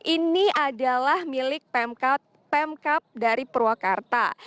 ini adalah milik pemkap dari purwakarta